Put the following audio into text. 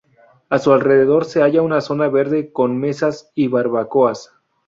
A su alrededor se halla una zona verde con mesas y barbacoas.